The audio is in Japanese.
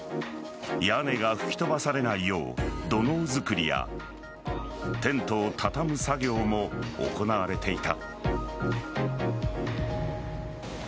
屋根が吹き飛ばされないよう土のう作りやテントを畳む作業も行われていた。